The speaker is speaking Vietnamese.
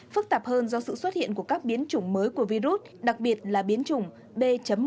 phức tạp hơn do sự xuất hiện của các biến chủng mới của virus đặc biệt là biến chủng b một sáu trăm một mươi bảy